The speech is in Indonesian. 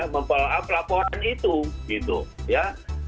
memfollow up laporan itu gitu ya